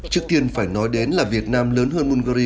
trước tiên phải nói đến là việt nam lớn hơn bungary